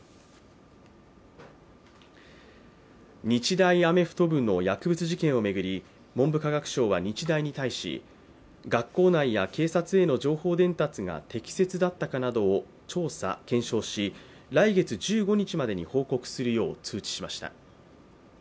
日大アメフト部の薬物事件を巡り、文部科学省は日大に対し、学校内や警察への情報伝達が適切だったかなどを調査・検証し来月１５日までに報告するよう通知しました。